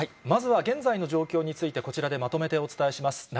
まずは現在の状況について、こちらでまとめてお伝えします。